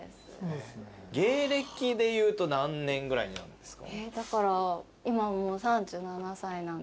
芸歴で言うと何年ぐらいになるんですか？